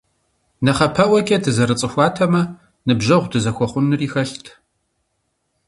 НэхъапэӀуэкӀэ дызэрыцӀыхуатэмэ, ныбжьэгъу дызэхуэхъунри хэлът.